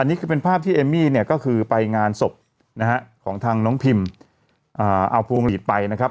นี่คือเป็นภาพที่เอมมี่เนี่ยก็คือไปงานศพนะฮะของทางน้องพิมเอาพวงหลีดไปนะครับ